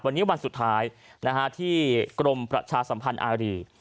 วันนี้วันสุดท้ายที่กรมประชาสัมพันธ์อารี